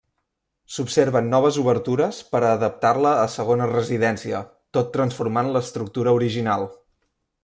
S'observen noves obertures per a adaptar-la a segona residència, tot transformant l'estructura original.